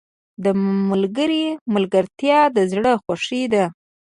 • د ملګري ملګرتیا د زړه خوښي ده.